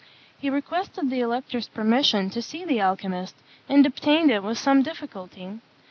He requested the elector's permission to see the alchymist, and obtained it with some difficulty.